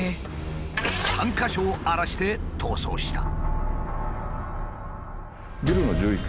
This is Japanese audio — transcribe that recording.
３か所を荒らして逃走した。